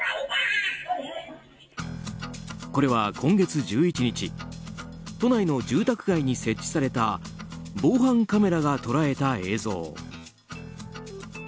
これは今月１１日都内の住宅街に設置された防犯カメラが捉えた映像。